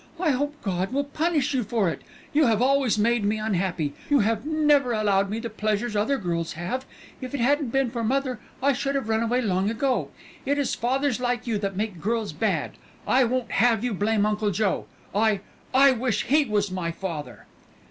I hope God will punish you for it. You have always made me unhappy. You have never allowed me the pleasures other girls have. If it hadn't been for mother I should have run away long ago. It is fathers like you that make girls bad. I won't have you blame Uncle Joe. I I wish he was my father."